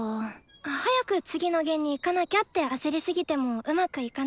早く次の弦にいかなきゃって焦りすぎてもうまくいかないよ。